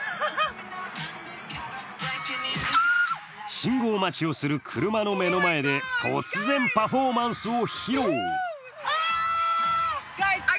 信号待ちをする車の目の前で突然パフォーマンスを披露。